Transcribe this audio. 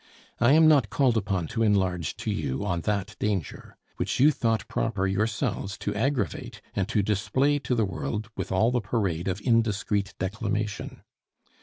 I am not called upon to enlarge to you on that danger; which you thought proper yourselves to aggravate, and to display to the world with all the parade of indiscreet declamation.